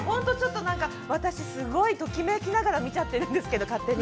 私、すごいときめきながら見ちゃってるんですけど、勝手に。